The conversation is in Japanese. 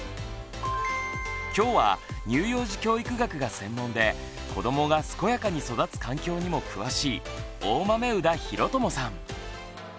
今日は乳幼児教育学が専門で子どもが健やかに育つ環境にも詳しい大豆生田啓友さん